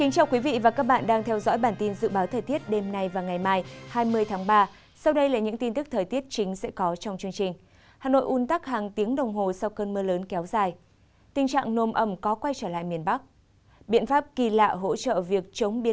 các bạn hãy đăng ký kênh để ủng hộ kênh của chúng mình nhé